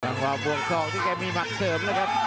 หรือว่าวงทรองที่ก็มีมัดเติม